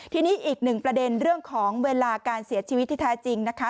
ทีนี้อีกหนึ่งประเด็นเรื่องของเวลาการเสียชีวิตที่แท้จริงนะคะ